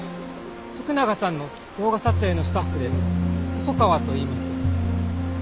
徳永さんの動画撮影のスタッフで細川といいます。